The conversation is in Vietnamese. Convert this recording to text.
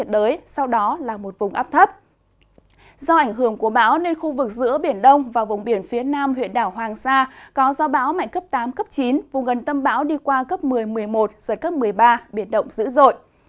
do ảnh hưởng của bão nên khu vực giữa biển đông và vùng biển phía nam huyện đảo hoàng sa có gió báo mạnh cấp tám cấp chín vùng gần tâm bão đi qua cấp một mươi một mươi một giật cấp một mươi ba biển động dữ dội